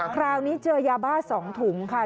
คราวนี้เจอยาบ้า๒ถุงค่ะ